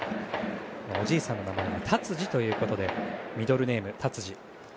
おじいさんの名前がタツジということでミドルネーム達治。